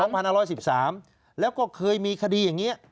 สองพันห้าร้อยสิบสามแล้วก็เคยมีคดีอย่างเงี้ย